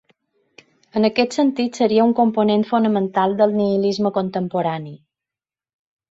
En aquest sentit seria un component fonamental del nihilisme contemporani.